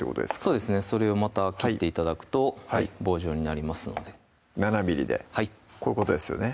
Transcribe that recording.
そうですねそれをまた切って頂くと棒状になりますので７ｍｍでこういうことですよね